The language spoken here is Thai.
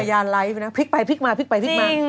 ยาไลฟ์นะพลิกไปพลิกมาพลิกไปพลิกมา